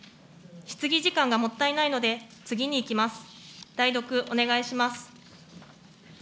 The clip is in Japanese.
質疑時間がもったいないので、次にいきます。